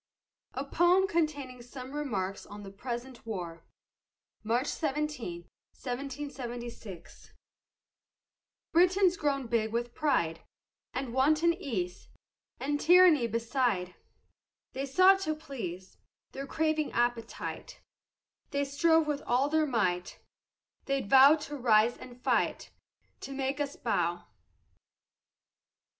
A POEM CONTAINING SOME REMARKS ON THE PRESENT WAR [March 17, 1776] Britons grown big with pride And wanton ease, And tyranny beside, They sought to please Their craving appetite, They strove with all their might, They vow'd to rise and fight, To make us bow.